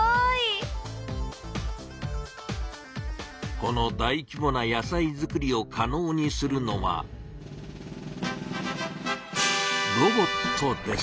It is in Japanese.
この大きぼな野菜作りをかのうにするのはロボットです。